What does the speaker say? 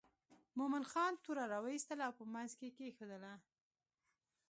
مومن خان توره را وایستله او په منځ یې کېښووله.